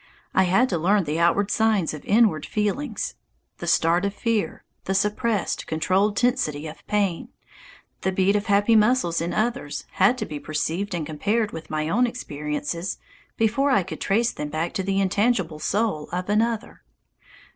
I had to learn the outward signs of inward feelings. The start of fear, the suppressed, controlled tensity of pain, the beat of happy muscles in others, had to be perceived and compared with my own experiences before I could trace them back to the intangible soul of another.